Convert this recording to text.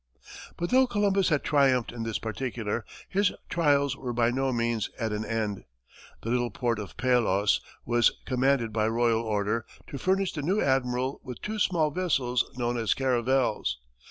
But though Columbus had triumphed in this particular, his trials were by no means at an end. The little port of Palos was commanded by royal order to furnish the new Admiral with two small vessels known as caravels.